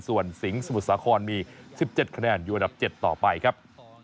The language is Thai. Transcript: ส่วนสิงห์สมุทรสาครมี๑๗คะแนนอยู่อันดับ๗ต่อไปครับ